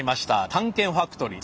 「探検ファクトリー」